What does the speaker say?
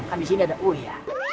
abis ini ada uya